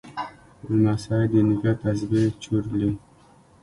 لمسی د نیکه تسبیح چورلي.